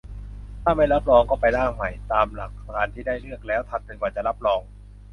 ถ้าไม่รับรอง ก็ไปร่างใหม่ ตามหลักการที่ได้เลือกแล้ว ทำจนกว่าจะรับรอง